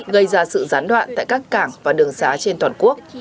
gây ra sự gián đoạn tại các cảng và đường xá trên toàn quốc